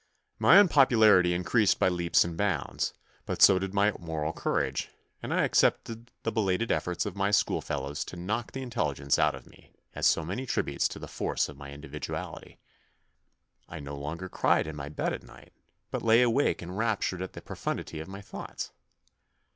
My unpopularity increased by leaps and bounds, but so did my moral courage, and I accepted 70 THE NEW BOY the belated efforts of my school fellows to knock the intelligence out of me as so many tributes to the force of my individuality. I no longer cried in my bed at night, but lay awake enraptured at the profundity of my thoughts.